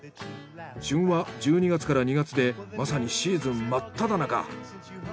旬は１２月から２月でまさにシーズン真っただ中。